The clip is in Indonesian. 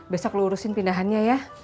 besok lo urusin pindahannya ya